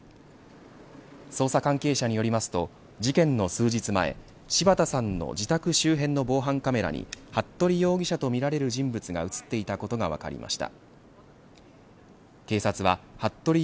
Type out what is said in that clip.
捜査関係者によりますと事件の数日前、柴田さんの自宅周辺の防犯カメラに服部容疑者とみられる人物が映っていたことが分かりました。